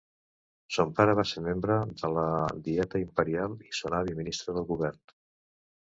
Son pare va ser membre de la Dieta Imperial i son avi, ministre del govern.